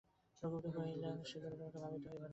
রঘুপতি কহিলেন, সেজন্য তোমাকে ভাবিতে হইবে না।